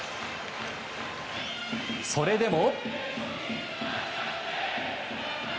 それでも。